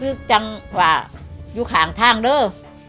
คือจังว่าอยู่ข่างทางด้วย